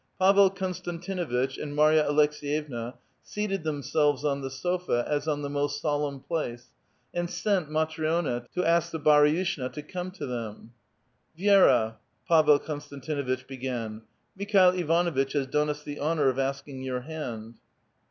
Pavel Konstantinuitch and Marya Aleks^yevna seated themselves on the sofa, as on the most solemn place, and sent Matri6na to ask the haruishna to come to them. "Vi^ra," — Pavel Konstantinuitch began, — "Mikhail Iva nnitch has done us the honor of asking your hand.